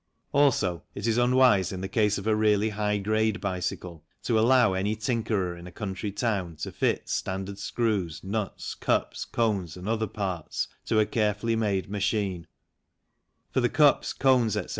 Also, it is unwise in the case of a really high grade bicycle to allow any tinkerer in a country town to fit standard screws, nuts, cups, cones, and other parts to a carefully made machine, for the cups, cones, etc.